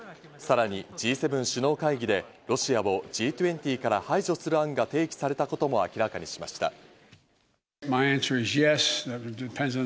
さらにＧ７首脳会議でロシアをＧ２０から排除する案が提起されたことも明らかにしました。